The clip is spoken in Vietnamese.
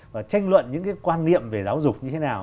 và tranh luận những cái quan niệm về giáo dục như thế nào